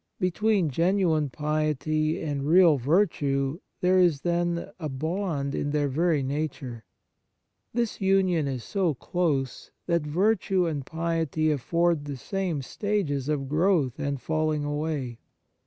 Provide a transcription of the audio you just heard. Between genuine piety and real virtue there is, then, a bond in their very nature. This union is so close, that virtue and piety afford the same stages of growth and falling away.